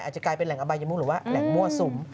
อาจจะกลายเป็นแหล่งอบายมุหรือว่าแหล่งมั่วสุม